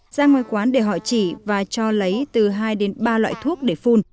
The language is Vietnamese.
ra ngoài quán để họ chỉ và cho lấy từ hai đến ba loại thuốc để phun